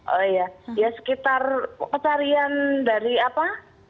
oh iya ya sekitar pencarian dari apa